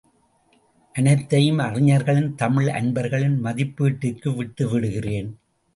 அனைத்தையும் அறிஞர்களின் தமிழ் அன்பர்களின் மதிப்பீட்டிற்கு விட்டு விடுகிறேன்.